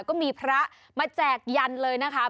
ก็มีพระมาแจกยันเลยนะคะ